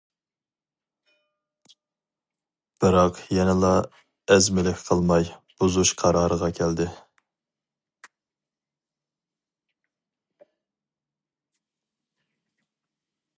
بىراق يەنىلا ئەزمىلىك قىلماي بۇزۇش قارارىغا كەلدى.